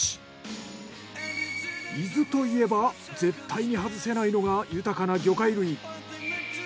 伊豆といえば絶対に外せないのが豊かな魚介類。